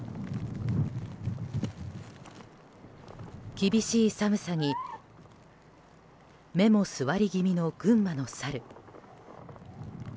厳しい寒さに目も座り気味の群馬のサル。